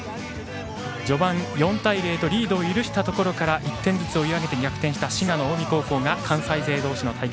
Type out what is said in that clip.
序盤４対０とリードを許したところから１点ずつ追い上げて逆転した滋賀の近江高校が関西勢同士の対決